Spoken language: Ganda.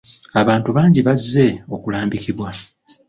Abantu bangi bazze okulambikibwa.